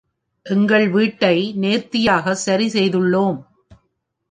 எங்கள் வீட்டை நேர்த்தியாக சரிசெய்துள்ளோம்.